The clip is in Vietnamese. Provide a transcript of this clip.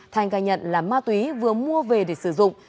thanh khai nhận là ma túy vừa mua về để sử dụng